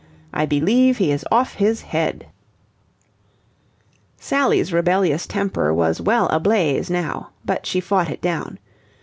I believe he is off his head." Sally's rebellious temper was well ablaze now, but she fought it down.